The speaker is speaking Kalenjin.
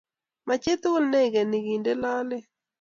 Machitugul ne ikenyi kende lolet